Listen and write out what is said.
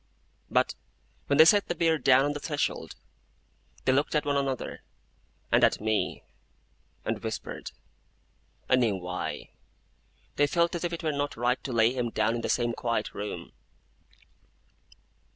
But when they set the bier down on the threshold, they looked at one another, and at me, and whispered. I knew why. They felt as if it were not right to lay him down in the same quiet room.